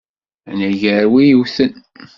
Anagar win yewten!